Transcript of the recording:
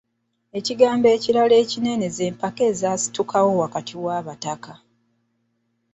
Ekigambo ekirala ekinene ze mpaka ezaasitukawo wakati w'Abataka.